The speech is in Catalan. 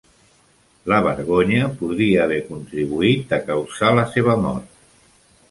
La vergonya podria haver contribuït a causar la seva mort.